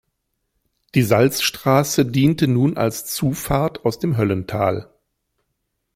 Die Salzstraße diente nun als Zufahrt aus dem Höllental.